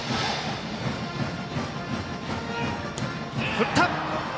振った！